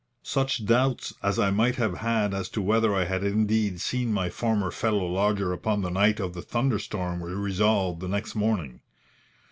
Such doubts as I might have had as to whether I had indeed seen my former fellow lodger upon the night of the thunderstorm were resolved the next morning.